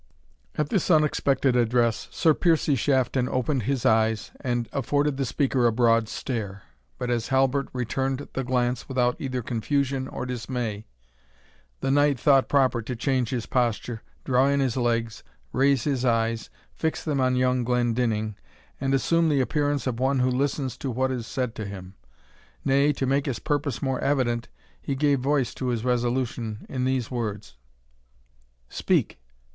At this unexpected address, Sir Piercie Shafton opened his eyes, and afforded the speaker a broad stare; but as Halbert returned the glance without either confusion or dismay, the knight thought proper to change his posture, draw in his legs, raise his eyes, fix them on young Glendinning, and assume the appearance of one who listens to what is said to him. Nay, to make his purpose more evident, he gave voice to his resolution in these words, "Speak!